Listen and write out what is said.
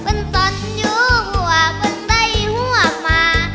คุณสอดอยู่หัวกจังสัยหัวหมา